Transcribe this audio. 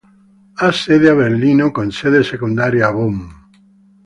Ha sede a Berlino con sede secondaria a Bonn.